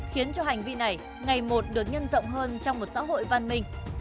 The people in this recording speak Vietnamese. khiến cho hành vi này ngày một được nhân rộng hơn trong một xã hội văn minh